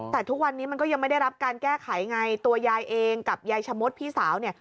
แต่ทุกวันนี้มันก็ยังไม่ได้รับการแก้ไขไงตัวยายเองกับยายชะมดพี่สาวเนี่ย